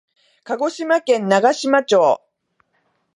鹿児島県長島町